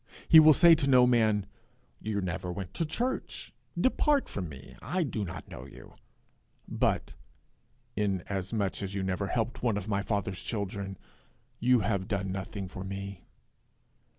He will say to no man, 'You never went to church: depart from me; I do not know you;' but, 'Inasmuch as you never helped one of my father's children, you have done nothing for me.'